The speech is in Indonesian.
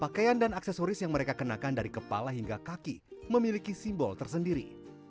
pakaian dan aksesoris yang mereka kenakan dari kepala hingga kaki memiliki simbol tersendiri